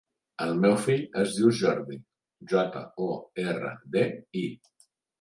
El meu fill es diu Jordi: jota, o, erra, de, i.